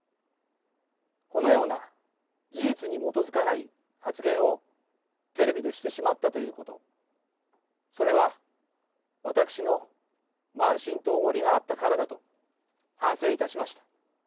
このような事実に基づかない発言をテレビでしてしまったということそれは私の慢心とおごりがあったからだと反省いたしました。